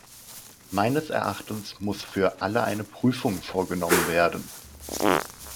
Meines Erachtens muss für alle eine Prüfung vorgenommen werden.